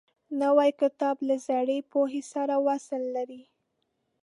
نوی کتاب له زړې پوهې سره وصل لري